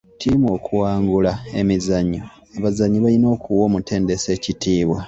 Ttiimu okuwangula emizannyo, abazannyi balina okuwa omutendesi ekitiibwa.